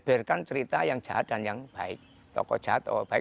membeberkan cerita yang jahat dan yang baik membeberkan cerita yang jahat dan yang baik